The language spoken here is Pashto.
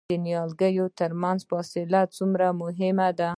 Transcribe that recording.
د نیالګیو ترمنځ فاصله ولې مهمه ده؟